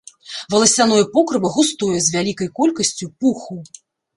Валасяное покрыва густое, з вялікай колькасцю пуху.